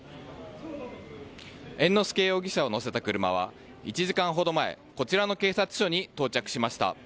猿之助容疑者を乗せた車は１時間ほど前、こちらの警察署に到着しました。